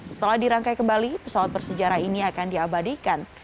setelah dirangkai kembali pesawat bersejarah ini akan diabadikan